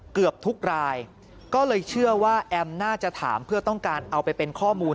เกือบทุกรายก็เลยเชื่อว่าแอมน่าจะถามเพื่อต้องการเอาไปเป็นข้อมูล